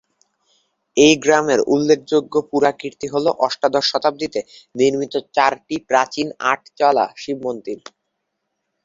এই গ্রামের উল্লেখযোগ্য পুরাকীর্তি হল অষ্টাদশ শতাব্দীতে নির্মিত চারটি প্রাচীন আটচালা শিবমন্দির।